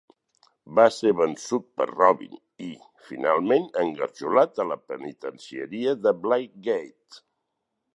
Va ser vençut per Robin i, finalment, engarjolat a la Penitencieria de Blackgate.